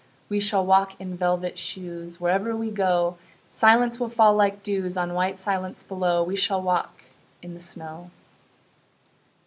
We shall walk in velvet shoes: Wherever we go Silence will fall like dews On white silence below. We shall walk in the snow.